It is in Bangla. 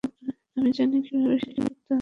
আমি জানি কীভাবে শেষ করতে হবে।